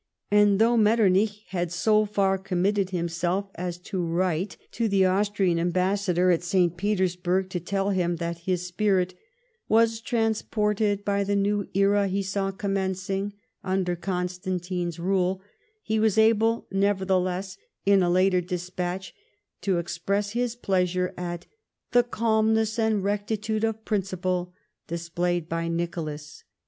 And thouo h Metternich had so far committed himself as to write to 106. ■ LIFE OF PBINCE METTEENICE. the Austrian Ambassador at St. Petersburg to tell him that his spirit " was transported by the new era he saw commencing " under Constantino's rule, he was able nevertheless, in a later despatch, to express his pleasure at "the calmness and rectitude of principle" displayed by Nicholas.